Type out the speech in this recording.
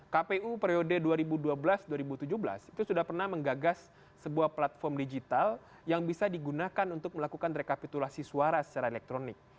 kpu periode dua ribu dua belas dua ribu tujuh belas itu sudah pernah menggagas sebuah platform digital yang bisa digunakan untuk melakukan rekapitulasi suara secara elektronik